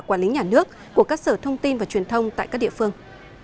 quản lý nhà nước của các sở thông tin và truyền thông tại các địa phương